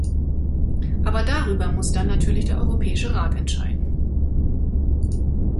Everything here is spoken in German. Aber darüber muss dann natürlich der Europäische Rat entscheiden.